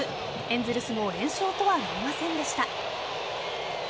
エンゼルスも連勝とはなりませんでした。